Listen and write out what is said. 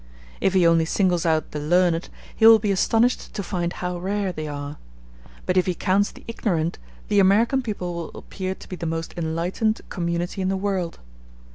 If he only singles out the learned, he will be astonished to find how rare they are; but if he counts the ignorant, the American people will appear to be the most enlightened community in the world.